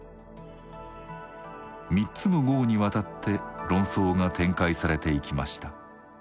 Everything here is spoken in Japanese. ３つの号にわたって論争が展開されていきました。